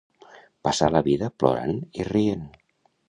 Passar la vida plorant i rient.